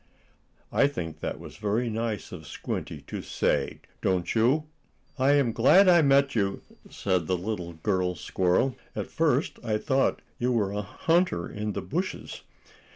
I think that was very nice of Squinty to say, don't you? "I am glad I met you," said the little girl squirrel. "At first I thought you were a hunter in the bushes."